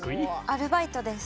アルバイトです。